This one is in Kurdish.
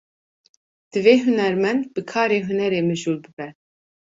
Divê hunermend, bi karê hunerê mijûl bibe